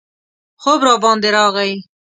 خوب راباندې راغی.